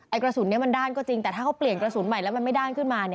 กระสุนนี้มันด้านก็จริงแต่ถ้าเขาเปลี่ยนกระสุนใหม่แล้วมันไม่ด้านขึ้นมา